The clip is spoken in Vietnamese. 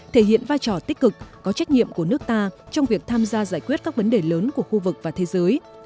thể hiện vai trò tích cực có trách nhiệm của nước ta trong việc tham gia giải quyết các vấn đề lớn của khu vực và thế giới